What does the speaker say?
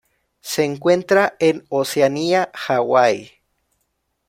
Se encuentra en Oceanía: Hawaii.